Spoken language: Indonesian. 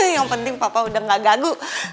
yang penting papa udah gak gagu